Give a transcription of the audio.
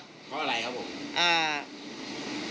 เพราะอะไรครับผมอ่า